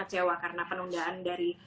kecewa karena penundaan dari